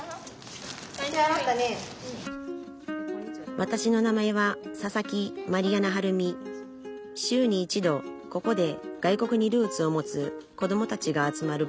わたしの名前は週に一度ここで外国にルーツを持つこどもたちが集まる場を開いています